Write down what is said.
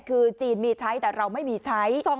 คือจีนมีใช้แต่เราไม่มีใช้